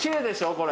これ。